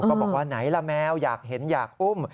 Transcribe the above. บอกว่าไหนล่ะแมวอยากเห็นอยากอุ้ม